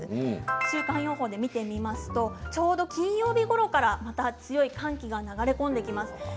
週間予報で見てみますとちょうど金曜日ごろからまた強い寒気が流れ込んできます。